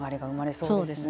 そうですね。